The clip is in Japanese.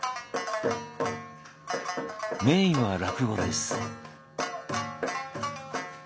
メインは落語です。